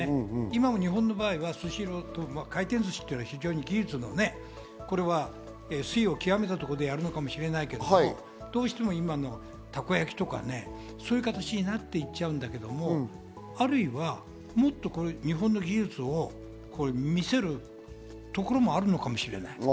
今、日本の場合、回転ずしは非常に技術、極めたところであるのかもしれないけど、今のたこ焼きとかそういう形になっていっちゃうんだけどあるいは、もっと日本の技術を見せるところもあるのかもしれない。